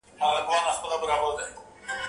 خدایه چي بیا به کله اورو کوچيانۍ سندري